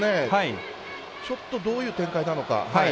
ちょっとどういう展開なのか。